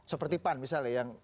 seperti pan misalnya yang